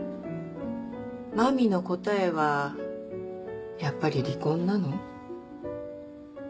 麻美の答えはやっぱり離婚なの？